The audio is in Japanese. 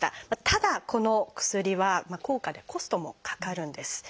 ただこの薬は高価でコストもかかるんです。